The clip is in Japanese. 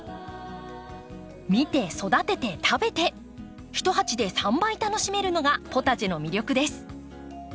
見て育てて食べて一鉢で３倍楽しめるのがポタジェの魅力です。